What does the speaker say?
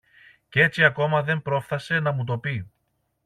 Κι έτσι ακόμα δεν πρόφθασε να μου το πει.